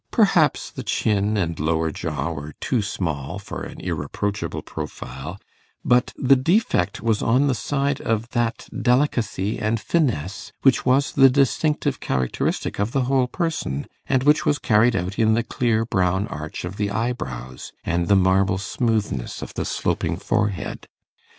Perhaps the chin and lower jaw were too small for an irreproachable profile, but the defect was on the side of that delicacy and finesse which was the distinctive characteristic of the whole person, and which was carried out in the clear brown arch of the eyebrows, and the marble smoothness of the sloping forehead.